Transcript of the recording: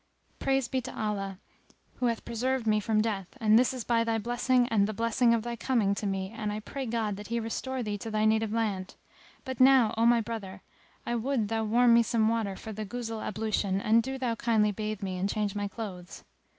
—praise be to Allah—who hath preserved me from death and this is by thy blessing and the blessing of thy coming to me and I pray God that He restore thee to thy native land. But now, O my brother, I would thou warm me some water for the Ghusl ablution and do thou kindly bathe me and change my clothes."